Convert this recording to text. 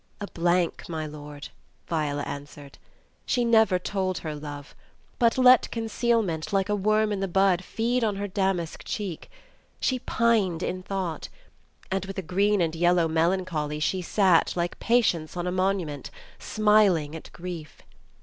"A blank, my lord," Viola answered. " She never told her love, but let concealment like a worm in the bud feed on her damask cheek; she pined in thought, and with a green and yellow melan choly she sat, like Patience on a monument, smiling at grief.